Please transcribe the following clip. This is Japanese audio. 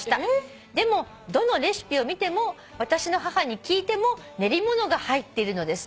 「でもどのレシピを見ても私の母に聞いても練り物が入っているのです」